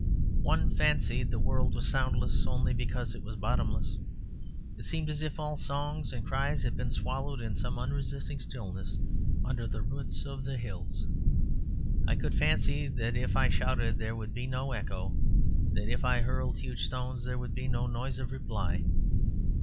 One fancied the world was soundless only because it was bottomless: it seemed as if all songs and cries had been swallowed in some unresisting stillness under the roots of the hills. I could fancy that if I shouted there would be no echo; that if I hurled huge stones there would be no noise of reply.